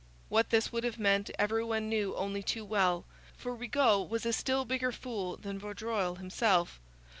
What this would have meant every one knew only too well; for Rigaud was a still bigger fool than Vaudreuil himself.